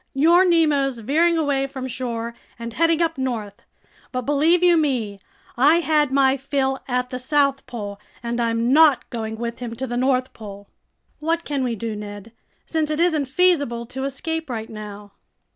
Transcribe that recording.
Your Nemo's veering away from shore and heading up north. But believe you me, I had my fill at the South Pole and I'm not going with him to the North Pole." "What can we do, Ned, since it isn't feasible to escape right now?"